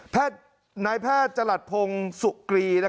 แพทย์นายแพทย์จระหลัดพงศ์ศุกรี